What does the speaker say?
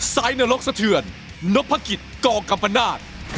ซ้ายนรกสะเทือนนพกิศกกัมปะนาจ